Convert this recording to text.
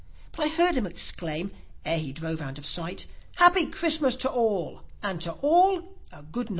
But I heard him exclaim, ere he drove out of sight, "Happy Christmas to all, and to all a good night."